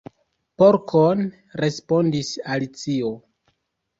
"Porkon," respondis Alicio.